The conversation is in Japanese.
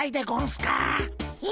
え？